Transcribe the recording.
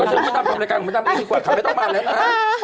ก็เชื่อผู้ดำทำรายการของมันดำดีกว่าคำไม่ต้องบานแล้วนะฮะ